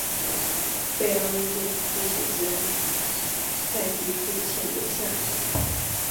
贝儿为救出父亲自愿代替父亲留下。